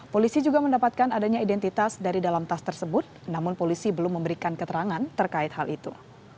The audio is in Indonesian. polisi juga mendapatkan adanya identitas dari dalam tas tersebut namun polisi belum memberikan keterangan terkait hal itu